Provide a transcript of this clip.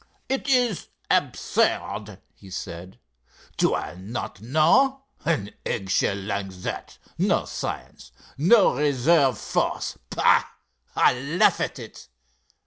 "It is absurd," he said. "Do I not know? An egg shell like that—no science, no reserve force. Bah! I laugh at it."